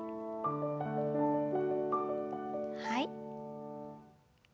はい。